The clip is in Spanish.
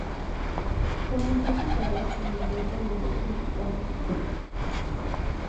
Comenzó su carrera como miembro de Native Tongue Posse.